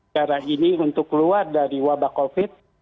cara ini untuk keluar dari wabah covid